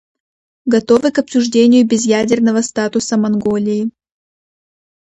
Готовы к обсуждению безъядерного статуса Монголии.